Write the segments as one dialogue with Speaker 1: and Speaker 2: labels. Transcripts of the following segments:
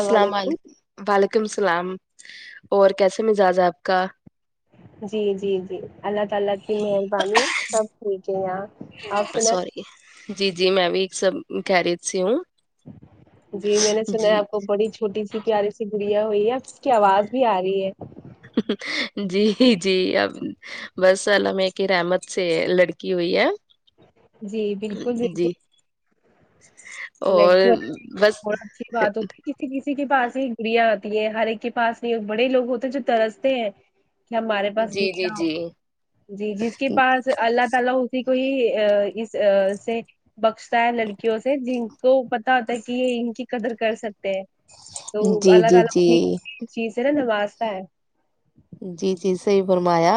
Speaker 1: السلام علیکم وعلیکم السلام اور کیسے مزاج ہے آپ کا
Speaker 2: جی جی جی اللہ تعالی کی مہربانی سب ٹھیک ہے یہاں آپ سنا
Speaker 1: سوری جی جی میں بھی ایک سب خیریت سے ہوں
Speaker 2: جی میں نے سنا
Speaker 1: جی
Speaker 2: آپ وہ بڑی چھوٹی سی پیاریے سے گڑیاں ہوئی ہے اب اس کی آواز بھی آ رہی ہے
Speaker 1: جی جی اب بس اللہ میاں کی رحمت سے لڑکی ہوئی ہے
Speaker 2: جی بالکل
Speaker 1: جی
Speaker 2: بالکل
Speaker 1: اور
Speaker 2: لڑکی
Speaker 1: بس
Speaker 2: بہت اچھی بات ہوتی کسی کسی کے پاس ہی گڑیاں آتی ہے ہر ایک کے پاس نہیں بڑے لوگ ہوتے ہیں جو ترستے ہیں کہ ہمارے پاس
Speaker 1: جی جی
Speaker 2: گڑیا ہو
Speaker 1: جی
Speaker 2: جی جس کے پاس اللہ تعالی اسی کو ہی اس سے بخشتا ہے لڑکیوں سے جن کو پتا ہوتا ہے کہ یہ ان کی قدر کر سکتے ہیں تو
Speaker 1: جی
Speaker 2: اللہ
Speaker 1: جی
Speaker 2: تعالی بھی چیز ہے نا نوازتا ہے
Speaker 1: جی جی صحیح فرمایا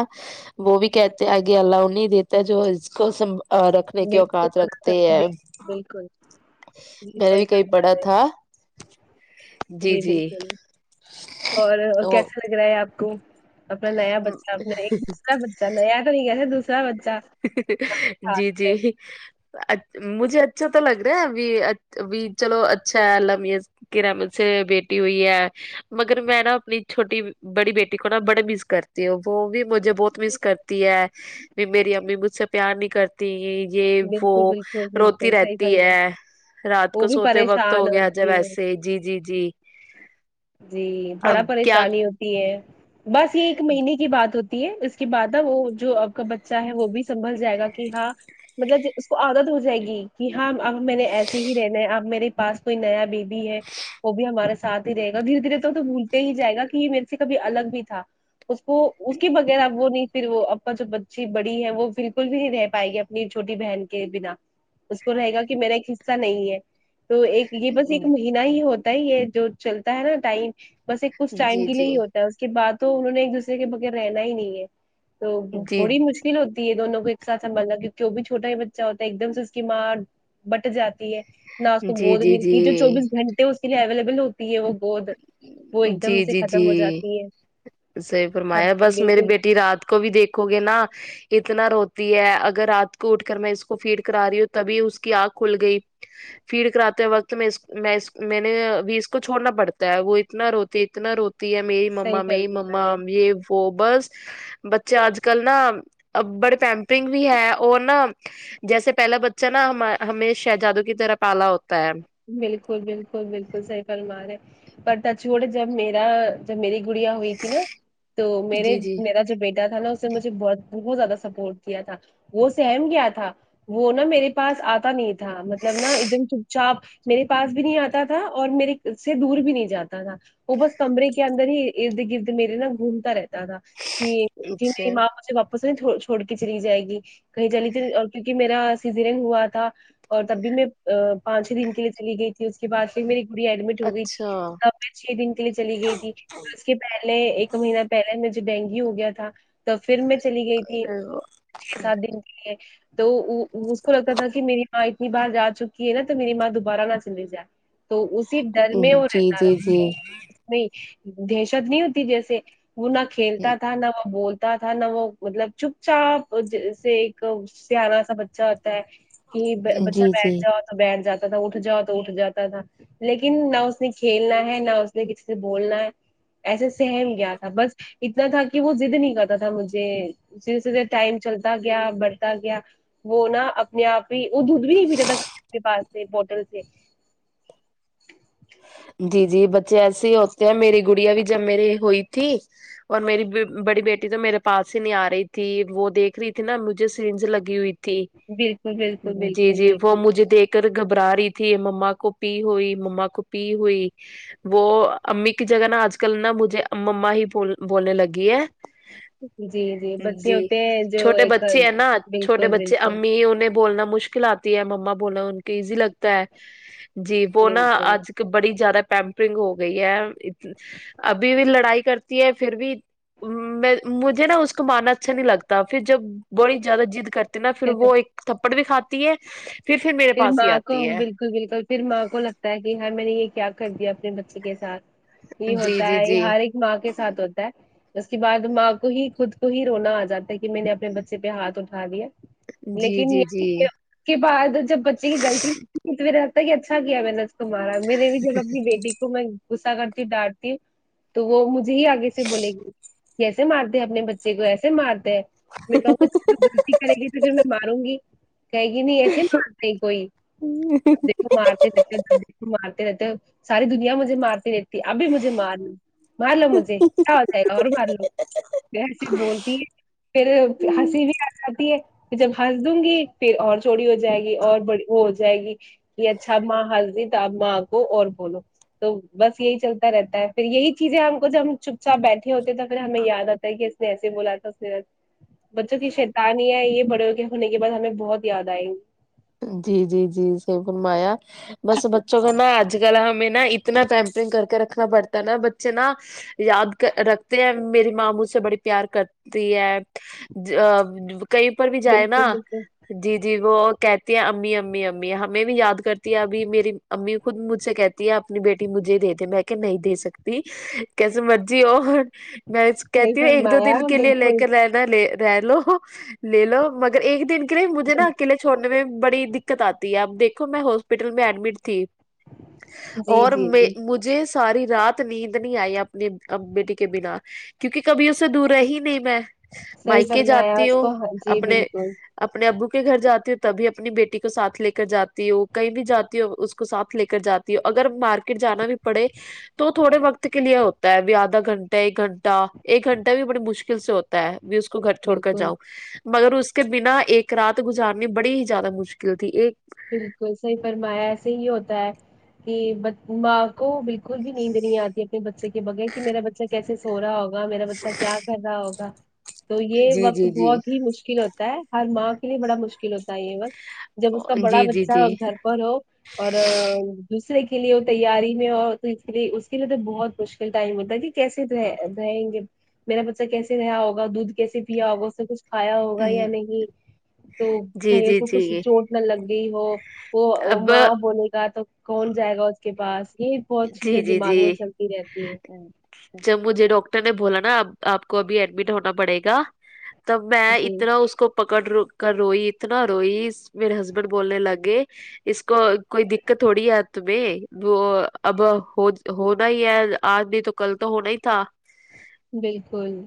Speaker 1: وہ بھی کہتے آگے اللہ انے ہی دیتا جو اس کو رکھنے کے
Speaker 2: بالکل
Speaker 1: اوقات رکھتے ہیں
Speaker 2: بالکل بالکل. جی
Speaker 1: میں نے
Speaker 2: صحیح
Speaker 1: بھی کہیں
Speaker 2: فرما
Speaker 1: پڑا
Speaker 2: رہے
Speaker 1: تھا
Speaker 2: جی بالکل اور
Speaker 1: او
Speaker 2: کیسا لگ رہا ہے آپ کو اپنا نیا بچہ اپنا ایک دوسرا تو نیا تو نہیں ہے نہ دوسرا بچہ ہاتھ
Speaker 1: جی جی
Speaker 2: میں
Speaker 1: اچ مجھے اچھا تو لگ رہا ہے ابھی چلو اچھا ہے اللہ میاں کی رحمت سے بیٹی ہوئی ہے مگر میں نا اپنی چھوٹی بڑی بیٹی کو نا بڑے مس کرتی ہو وہ بھی مجھے بہت مس کرتی ہے میری امی مجھ سے پیار نہیں کرتی یہ
Speaker 2: بالکل
Speaker 1: وہ
Speaker 2: بالکل
Speaker 1: روتی
Speaker 2: بالکل صحیح
Speaker 1: رہتی
Speaker 2: فرما
Speaker 1: ہے رات
Speaker 2: وہ
Speaker 1: کو
Speaker 2: بھی
Speaker 1: سوتے وقت
Speaker 2: پریشان
Speaker 1: ہو گیا جب
Speaker 2: ہوتی ہے
Speaker 1: ایسے جی جی جی
Speaker 2: جی
Speaker 1: اب
Speaker 2: بڑا
Speaker 1: کیا
Speaker 2: پریشانی ہوتی ہے بس یہ ایک مہینے کی بات ہوتی اس کے بعد وہ جو آپ کا بچہ ہے وہ بھی سنبھل جائے گا کہ ہاں مطلب اس کو عادت ہو جائے گی کہ ہاں اب میں نے ایسے ہی رہنے ہے اپ میرے پاس کوئی نیا بے بی ہے وہ بھی ہمارے ساتھ ہی رہے گا دھیرے دھیرے تو بھولتے ہی جائے گا کہ یہ میرے سے کبھی الگ بھی تھا اس کو اس کے بغیر اب وہ نہیں پھر وہ آپکا جو بچی بڑی ہے وہ بالکل بھی نہیں رہ پائے گی اپنی چھوٹی بہن کے بنا اس کو رہے گا کہ میرا ایک حصہ نہیں ہے تو ایک یہ
Speaker 1: جی
Speaker 2: بس ایک مہینہ ہی ہوتا ہے یہ جو چلتا ہے نا ٹائم بس ایک کچھ ٹائم کے
Speaker 1: جی جی
Speaker 2: لیے ہی ہوتا ہے اس کے بعد تو انہوں نے ایک دوسرے کے بغیر رہنا ہی نہیں ہے تو
Speaker 1: جی
Speaker 2: تھوڑی مشکل ہوتی ہے دونوں کو ایک ساتھ سنبھالنا کی جو بھی چھوٹا ہی بچہ ہوتا ہے ایک دم سے اس کی ماں بٹ جاتی ہے نا اسکو
Speaker 1: جی
Speaker 2: گود
Speaker 1: جی
Speaker 2: ملتی جو چوبیس گھنٹے اس کے لیے اویلیبل ہوتی ہوتی وہ گود وہ ایک
Speaker 1: جی
Speaker 2: دم سے
Speaker 1: جی
Speaker 2: ختم ہو
Speaker 1: جی
Speaker 2: جاتی ہے
Speaker 1: صحیح
Speaker 2: سب
Speaker 1: فرمایا بس میری
Speaker 2: بالکل
Speaker 1: بیٹی رات کو بھی دیکھو گے نا اتنا روتی ہے اگر رات کو اٹھ کر میں اس کو فیڈ کرا رہی ہوں تبھی اس کی آنکھ کھل گئی فیڈ کراتے وقت میں میں میں نے ابھی اس کو چھڑنا پڑتا ہوتا ہے وہ اتنا روتی اتنا روتی ہے میری
Speaker 2: صحیح
Speaker 1: مما میری
Speaker 2: فرما رہے
Speaker 1: مما
Speaker 2: ہیں.
Speaker 1: یہ وہ بس بچے اج کل نا بڑے پمپنگ بھی ہے اور نا جیسے پہلا بچہ ناہما ہمیں شہجادو کی طرح پالا ہوتا ہے
Speaker 2: بالکل بالکل بالکل صحیح فرمارے پر تچوڑ جب میرا جب میری گڑیاں ہوئی تھی نا تو میرے
Speaker 1: جی جی
Speaker 2: میرا جو بیٹا تھا نا سے مجھے بت بہت زیادہ سپورٹ کیا تھا وہ سہم گیا تھا وہ نا میرے پاس آتا نہیں تھا مطلب نا ایک دم چپ چاپ میرے پاس بھی نہیں آتا تھا اور میرے سے دور بھی نہیں جاتا تھا وہ بس کمرے کے اندر ہی ارد گرد میرے نا گھومتا رہتا تھا کہ جی
Speaker 1: اچھا
Speaker 2: میری ماں مجے باپا [unintelligible] چھوڑ کے چلی جائے گی کہیں جلی تو اور کیونکہ میرا سزاریں ہوا تھا [unintelligible] اور تب بھی میں پانچ چ دن کے لیے چلی گئی تھی اس کے بعد پھر میری گڑیا ایڈمٹ ہو گئی تھی
Speaker 1: اچھا
Speaker 2: تب میں چھ دن کے لیے چلی گئی تھی اس کے پہلے ایک مہینہ پہلے مجھے ڈینگیو ہو گیا تھا تو پھر میں چلی گئی تھی چھ سات دن تو اس کو لگتا تھا کہ میری ماں اتنی بار جا چکی ہے نا تو میری ماں دوبارہ نہ چلی جائے تو اسی ڈر میں وہ
Speaker 1: جی
Speaker 2: رہتا
Speaker 1: جی
Speaker 2: رہ
Speaker 1: جی
Speaker 2: میں دہشت نہیں ہوتی جیسے وہ نہ
Speaker 1: ہوں
Speaker 2: کھیلتا تھا نہ وہ بولت ہوتا تھا نہ وہ مطلب چپ چاپ ج سے ایک سیانہ سا بچہ ہوتا ہے کہ بچہ
Speaker 1: جی
Speaker 2: بیٹھ
Speaker 1: جی
Speaker 2: جاؤ تو بیٹھ جاتا تھا اٹھ جاؤ تو اٹھ جاتا تھا لیکن نہ اس نے کھیلنا ہے نہ اس نے کسی سے بولنا ہے ایسے سہم گیا تھا بس اتنا تھا کہ وہ ضد نہیں کرتا تھا مجھے سرے سدے ٹائم چلتا گیا بڑھتا گیا وہ نا میں آپ ہی وہ دودھ بھی نہیں پیتا تھانے پاس سے بوٹل سے
Speaker 1: جی جی بچے ایسے ہی ہوتے ہیں میری گڑیا بھی جب میری ہوئی تھی اور میری بڑی بیٹی تو میرے پاس ہی نہیں آ رہی تھی وہ دیکھ رہی تھی نا مجھے سرینس لگی ہوئی تھی
Speaker 2: بالکل بالکل
Speaker 1: تھی جی
Speaker 2: بالکل
Speaker 1: جی وہ
Speaker 2: بالکل
Speaker 1: مجھے دیکھ ر گھبرا رہی تھی مما کو پی ہوئی مما کو پی ہوئی وہ امی کی جگہ نا آج کل نا مجھے مما ہی بول بولنے لگی ہے
Speaker 2: جی بچے
Speaker 1: جی
Speaker 2: ہوتے ہیں جو
Speaker 1: چھوٹے
Speaker 2: ایک
Speaker 1: بچے ہیں نا چھوٹے
Speaker 2: بالکل
Speaker 1: بچے
Speaker 2: بالکل
Speaker 1: امی انہیں بولنا مشکل آتی ہے مما بولنا ان کو ایزی لگتا ہے جی وہنا
Speaker 2: بالکل
Speaker 1: آج بڑی زیادہ پمپرنگ ہو گئی ہے ابھی بھی لڑائی کرتی ہے پھر بھی می مجھے نا اس کو مارنا اچھا نہیں لگتا پھر جب بڑی جیادہ جد کرت نا پھر وہ ایک تھپڑ بھی کھاتی ہے پھر پھر میرے پاس ہی
Speaker 2: ماں کو
Speaker 1: آتی ہے
Speaker 2: بالکل بالکل پھر ماں کو لگتا ہے کہ ہر میں نے یہ کیا کر دیا اپنے بچے کے ساتھ یہ
Speaker 1: جی
Speaker 2: ہوتا
Speaker 1: جی
Speaker 2: ہے یہ
Speaker 1: جی
Speaker 2: ہر ایک ماں کے ساتھ ہوتا ہے اس کے بعد ماں کو ہی خود کو ہی رونا آ جاتا ہے کہ میں نے اپنے بچے پہ ہاتھ اٹھا دیا
Speaker 1: جی
Speaker 2: لیکن
Speaker 1: جی
Speaker 2: یہ
Speaker 1: جی
Speaker 2: کے بعد جب بچے کی غلطی ہوتی تو رہتا ہے کہ اچھا کیا میں نے مارا میرے بھی جب اپنی بیٹی میں غصہ کرتی ہوں ڈانٹی ہوں تو وہ مجھے ہی آگے سے بولے گی جسے مارتے اپنے بچے کو ایسے مارتے ہے میں کہوں گا [unintelligible] غلطی کرے گی تو پھر میں ماروں گی کہے گی نہیں ایسے مار تے کوئی کو مارتے رہتے ہو د کو مارتے رہتے ہو ساری دنیا مجھے مارتی رہتی ابھی مجھے مارلو مار لو مجھے کیا ہوتا ہے اور مار لو میں صرف بولتی ہے پھر
Speaker 1: ہ
Speaker 2: ہنسی بھی آ جاتی ہے جب ہنس دوں گی پھر اور چوری ہو جائے اور بڑی ہو جائے گی کہ اچھا ماں ہسدی تو آپ ماں کو اور بولو تو بس یہی چلتا رہتا ہے پھر یہی چیزیں ہم کو جب ہم چپ چاپ بیٹھے ہوتے ہیں تو پھر ہمیں یاد آتا کہ اس نے ایسے بولا تھا اس بچوں کی شیتانیاں یہ بڑے ہو کے ہونے کے بعد ہمیں بہت یاد آئے گی
Speaker 1: جی جی جی سہی پورمایا بس بچوں کا نا آج کل ہمیں نہ اتنا پیمپرنگ کر کے رکھنا پڑتا ہے نہ بچے نہ یادکر رکھتے ہیں میری ماں مجھ سے بڑی پیار کرتی ہے ا کہیں پر بھی جائے نہ
Speaker 2: بالکل بالکل
Speaker 1: جی جی وہ کہ امی امی امی ہمیں بھی یاد کرتی ہے تی ہے امی امی امی امی ہمیں بھی یاد کرتی ہے ابھی میری امی خود مجھ سے کہتی ہے اپنی بیٹی مجھے دیدے میں کہ نہیں دے سکتی کیسے مرجی ہو میں
Speaker 2: صحیح
Speaker 1: کہتی ہوں ایک دو
Speaker 2: فرمایا
Speaker 1: دن کے لیے لے
Speaker 2: بالکل
Speaker 1: کے رہ لے رہ لو لے لو مگر ایک دن کے لیے مجھے نہ اکیلے چھوڑنے بڑی دقت آتی ہے اب دیکھو میں ہاسپٹل میں ایڈمٹ تھی
Speaker 2: جی
Speaker 1: اور
Speaker 2: جی
Speaker 1: میں
Speaker 2: جی
Speaker 1: مجھے ساری رات نیند نہیں آئی اپنی بیٹی کے بنا کیونکہ کبھی اسے دور رہی نہیں میں
Speaker 2: صحیح
Speaker 1: مائکے
Speaker 2: فرمایا
Speaker 1: جاتی
Speaker 2: اس
Speaker 1: ہوں
Speaker 2: کو ہاں جی
Speaker 1: اپنے
Speaker 2: بالکل
Speaker 1: اپنے ابو کے گھر جاتی ہوں ت تبھی اپنی بیٹی کو سا تھ لے کر جاتی ہوں کہیں بھی جاتی ہوں اس کو ساتھ لے کر جاتی ہو ں اگر مارکیٹ جانا بھی پڑھے تو تھوڑے وقت کے لیے ہوتا ہے ابھی آدھا گھنٹہ ایک گھنٹہ ایک گھنٹہ بھی بڑی مشکل سے ہوت ہےابھی اس کو گھر چھوڑ کر
Speaker 2: بالکل
Speaker 1: جاؤ مگر اس کے بنا ایک رات گذ ار بڑی ہی زیادہ مشکل تھی ایک
Speaker 2: بالکل صحیح فرمایا ایسے ہی ہوتا ہے کہ ب ماں کو بالکل بھی نیند نہیں آتی اپنے بچے کے بغیر کہ میرا بچہ کیسے سو رہا ہوگا میرا بچہ کیا کر رہا ہوگا تو یہ
Speaker 1: جی
Speaker 2: وقت
Speaker 1: جی جی
Speaker 2: بہت ہی مشکل ہوتا ہے ہر ماں کے لیے بڑا مشکل ہوتا ہے یہ وقت جب اس کا
Speaker 1: جی
Speaker 2: بڑا
Speaker 1: جی
Speaker 2: بچہ ہو گھر پر ہو اور دوسرے کے لیے وہ تیاری میں اور تو اس لیے اس کے لیے تو بہت مشکل ٹائم ہوتا ہے کہ کیسے رہ رہیں گے میرا بچہ کیسے ریہا ہوگا دودھ کیسے پیا ہوگا اس نے کچھ کھایا ہوگا یا نہیں تو
Speaker 1: جی جی
Speaker 2: بھئی اس
Speaker 1: جی
Speaker 2: کو کچھ
Speaker 1: جی
Speaker 2: چوٹ نہ لگ گئی ہو وہ
Speaker 1: اب
Speaker 2: ماں بولے گا تو کون جائے گا اس کے پاس یہ بہت چیزیں
Speaker 1: جی جی
Speaker 2: دماغ میں
Speaker 1: جی
Speaker 2: چلتی رہتی ہیں
Speaker 1: جب مجھے ڈاکٹر نے بولا نہ اب آپ کو ابھی ایڈمٹ ہونا پڑے گا تب میں
Speaker 2: جی
Speaker 1: اتنا اس کو پکڑرو کر روئی اتنا روئی میرے ہسبینڈ بولنے لگے اس کو کوئی دقت ہوڑی ہے تمہیں وہ اب ہونا ہی ہے آج نہیں تو کل تو ہونا ہی تھا
Speaker 2: بالکل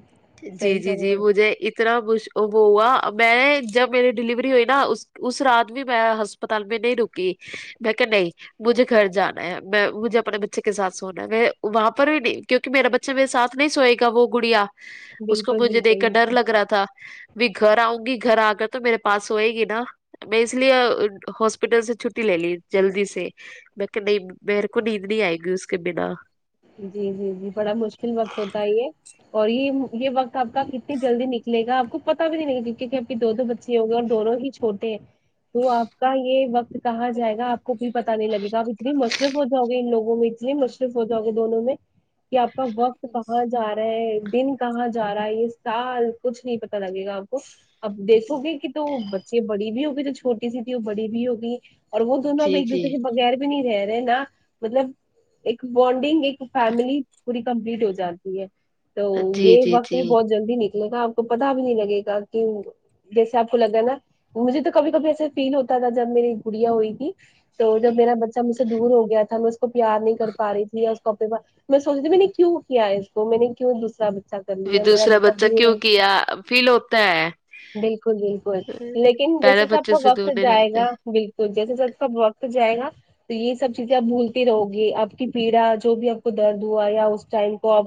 Speaker 1: جی
Speaker 2: صحیح
Speaker 1: جی
Speaker 2: فرما
Speaker 1: جی مجھےات اتنا مش وہ ہوا میں جب میری ڈلیوری ہوئی نہ اس اس رات بھی میں ہسپتال میں نہیں رکی میں کہ نہیں مجھے گھر جانا ہے میں مجھے اپنے بچے کے سا تھ سونا ہے میں وہاں پر میں بھی کیونکہ میرا بچہ میرے سا تھ نہیں سوئے گا وہ گڑیا اس کو
Speaker 2: بالکل
Speaker 1: مجھے دیکھ
Speaker 2: بالکل
Speaker 1: کر ڈر
Speaker 2: بالکل
Speaker 1: لگ رہا تھا بھی گھر آؤں گی گھر آ کر تو میرے پاس سوئے گی نہ میں اس لیے ہاسپٹل سے چھٹی لے لی جلدی سے میں کہ نہیں میر کو نیند نہیں آئے گی اس کے بنا
Speaker 2: جی جی جی بڑا مشکل وقت ہوتا ہے یہ اور یہ یہ وقت آپ کا کتنی جلدی نکلے گا آپ کو پتہ بھی نہیں کیونکہ آپ کے دو دو بچیے ہو گۓ اور دونوں چ ھوٹےہے تو آپ کا یہ وقت کہاں جائے گا آپ کو بھی پتہ نہیں لگے گا ا اتنے مشروف ہو جاؤ گے ان لوگوں میں اتنے مشرو ف ہو جاؤ گے دونوں میں کہ آپ کا وقت کہاں جا رہا ہے دن کہاں جا رہا ہے یہ سال کچھ نہیں پتہ لگے گا آپ کو اب دیکھو گے کہ تو بچے بڑی بھی ہوگئی جو چھوٹی سی تھی وہ بڑی بھی ہوگئی اور وہ دونوں اب
Speaker 1: جی
Speaker 2: ایک
Speaker 1: جی
Speaker 2: دوسرے کے بغیر بھی نہیں رہ رہے نہ مطلب بونڈنگ ایک فیملی پوری کمپلیٹ ہو جان تی ہے تو
Speaker 1: جی
Speaker 2: یہ
Speaker 1: جی
Speaker 2: وقت بھی
Speaker 1: جی
Speaker 2: بہت جلدی نکلے گا آپ کو پتہ بھی نہیں لگے گا کہ جیسے آپ کو لگا ہے نا مجھے تو کبھی کبھی ایسا فیل ہوتا تھا جب میری گڑیا ہوئی تھی تو جب میرا بچہ مجھ سے دور ہوگیا تھا میں اس کو پیار نہیں کرتا پا رہی تھی اس کاپ میں سوچتی ت میں نے کیوں کیا ہے اس کو میں نے کیوں دوسرا بچہ کر لیا میرا
Speaker 1: دوسرا بچہ
Speaker 2: دور
Speaker 1: کیوں
Speaker 2: ہو
Speaker 1: کیا فیل ہوتا ہے
Speaker 2: بالکل بالکل لیکن جیسے
Speaker 1: پہلے
Speaker 2: سے آپ
Speaker 1: بچے
Speaker 2: کا وقت
Speaker 1: دور نہیں
Speaker 2: جائے
Speaker 1: رہتے
Speaker 2: گا بالکل جیسے آپ کاوقت تو جائے گا تو یہ سب چیزیں آپ بھولتے رہو گی آپ کی پیڑا جو بھی آپ کو درد ہوا یا اس ٹائم کو آپ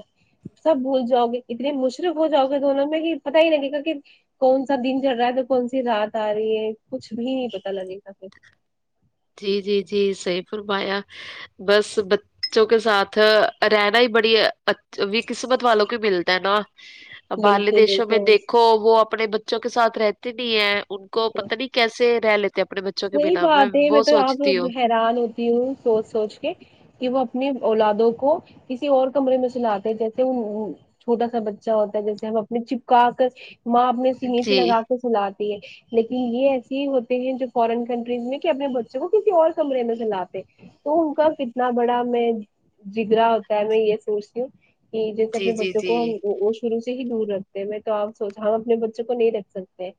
Speaker 2: سب بھول جاؤ گے اتنے مصرف ہو جاؤ گے دونوں میں کہ پت ہی لگے گا کہ کون سا دن چڑھ رہا ہے تو کون سی رات آ رہی ہے کچھ بھی نہیں پتا لگے گا پھر
Speaker 1: جی جی جی صہی فرمایا بس بچوں کے ساتھ رہنا ہی بڑی اچھا بھی قسمت والوں کو ملتا ہے نا باہرلے
Speaker 2: بالکل
Speaker 1: دیشوں میں دیکھو
Speaker 2: بالکل
Speaker 1: وہ اپنے بچوں کے ساتھ رہتے نہیں ہے ان کو پتا نہیں کیسے رہ لیتے اپنے بچوں کے
Speaker 2: وہی
Speaker 1: بنا میں
Speaker 2: بات میں
Speaker 1: وہ
Speaker 2: تو آپ
Speaker 1: سوچتی ہوں
Speaker 2: حیران ہوتی ہوں سوچ سوچ کے کہ وہ اپنی اولادوں کو کسی اور کمرے میں سلاتے جیسے چھوٹا سا بچہ ہوتا ہے جیسے ہم اپنے چپکا کر ماں اپنے سینے سے
Speaker 1: جی
Speaker 2: لگا کے سلاتی ہے لیکن یہ ایسے ہی ہوتے ہیں جو فارن کنٹریز میں کہ اپنے بچوں کو کسی اور کمرے میں سلاتے تو ان کا کتنا بڑا میں جگرا ہوتا ہے میں یہ سوچتی ہوں کہ جی جیسے اپنے
Speaker 1: جی
Speaker 2: بچاؤ
Speaker 1: جی
Speaker 2: کو اسے ہی دور رکھتے ہیں میں تو آپ سوچا ہم اپنے بچوں کو نہیں رکھ سکتے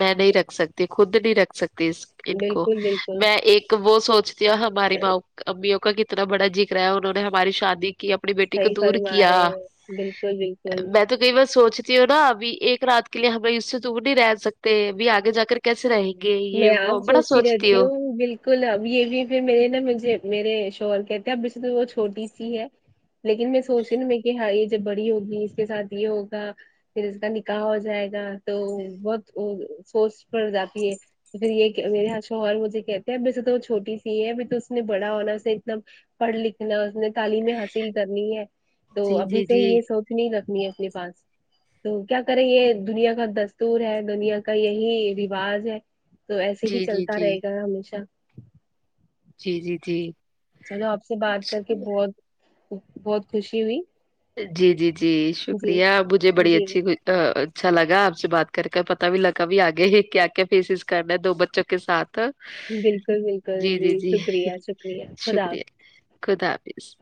Speaker 1: میں نہیں رکھ سکتی خود نہیں رکھ سکتی اس ان کو
Speaker 2: بالکل بالکل
Speaker 1: میں ایک وہ سوچتی ہیں ہماری ما امیوں کا کتنا بڑا جگر ہے انہوں نے ہماری شادی کی اپنی بیٹی کو
Speaker 2: صحیح
Speaker 1: دور
Speaker 2: فرما
Speaker 1: کیا
Speaker 2: رہے ہیں بالکل بالکل
Speaker 1: میں تو کئی بار سوچتی ہو نا ابی ایک رات کے لیے ہم اس سے دور نہیں رہ سکتے ابھی آگے جا کر کے کیسے رہے گے یہ
Speaker 2: میں
Speaker 1: وہ
Speaker 2: آپ
Speaker 1: بڑا سوچتی
Speaker 2: رہتی
Speaker 1: ہو
Speaker 2: ہوں بالکل اب یہ بھی پھر میرے نا مجھے میرے شوہور کہتے ہیں اب وہ چھوٹی سی ہے لیکن میں سوچی نا میں کہ ہاں یہ جب بڑی ہوگی اس کے ساتھ یہ ہوگا پھر اس کا نکاح ہو جائے گا تو بہت سوچ پڑ جاتی ہے پھر یہ میرے ہاں شوہر مجھے کہتے ہیں ویسے تو چھوٹی سی ہے ا تو اس نے بڑا ہونا اس سے اتنا پڑھ لکھنا اس نے تعلیم حاصل کرنی ہے تو
Speaker 1: جی
Speaker 2: ابھی
Speaker 1: جی
Speaker 2: سے
Speaker 1: جی
Speaker 2: یہ سوچ کنی رکھنی ہے اپنے پاس تو کیا کرے یہ دنیا کا دستور ہے دنیا کا یہی رواج ہے تو ایسے ہی
Speaker 1: جی جی
Speaker 2: چلتا
Speaker 1: جی
Speaker 2: رہے گا ہمیشہ
Speaker 1: جی جی جی
Speaker 2: چلو آپ سے بات کر کے بہت بہت خوشی ہوئی
Speaker 1: جی جی جی
Speaker 2: جی
Speaker 1: شکریہ مجھے بڑی
Speaker 2: جی
Speaker 1: اچھی اچھا لگا آپ سے بات کر کے پتا بھی لگا بھی آگے کیا کیا فیسز کرنا ہے دو بچوں کے ساتھ تو
Speaker 2: بالکل
Speaker 1: جی
Speaker 2: بالکل
Speaker 1: جی جی
Speaker 2: شکریہ شکریہ خدا
Speaker 1: شکریہ خدا حافظ